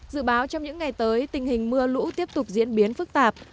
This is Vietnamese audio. dự báo trong những ngày tới tình hình mưa lũ tiếp tục diễn biến phức tạp